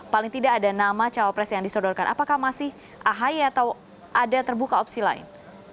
paling tidak ada nama cawapres yang disodorkan apakah masih ahy atau ada terbuka opsi lain